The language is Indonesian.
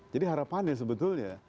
jadi harapannya sebetulnya